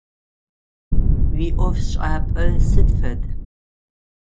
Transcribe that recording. Уиӏофшӏапӏэ сыд фэд?